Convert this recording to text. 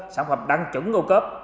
sản phẩm đăng chủng ô cớ